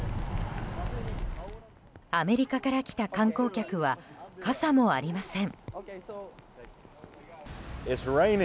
アメリカから来た観光客は傘もありません。